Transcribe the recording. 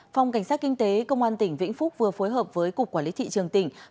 phòng cảnh sát kinh tế công an tỉnh vĩnh phúc vừa phối hợp với cục quản lý thị trường tỉnh